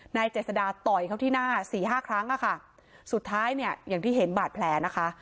นายเจสดาต่อยเขาที่หน้าสี่ห้าครั้งสุดท้ายอย่างที่เห็นบาดแผลนะคะ